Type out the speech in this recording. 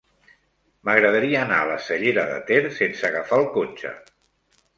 M'agradaria anar a la Cellera de Ter sense agafar el cotxe.